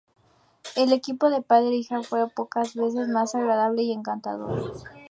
El equipo de padre e hija fue pocas veces más agradable y encantador.